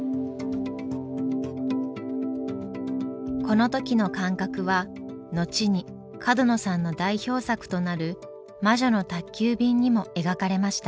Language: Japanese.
この時の感覚は後に角野さんの代表作となる「魔女の宅急便」にも描かれました。